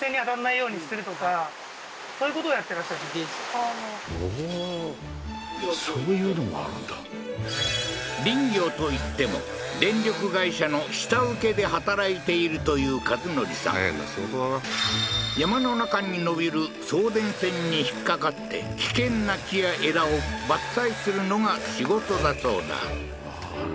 ああーほうーそういうのもあるんだ林業といっても電力会社の下請けで働いているという和則さん山の中に伸びる送電線に引っかかって危険な木や枝を伐採するのが仕事だそうだああー